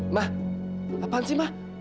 mah apaan sih mah